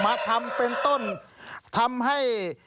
มาทำเป็นต้นทำให้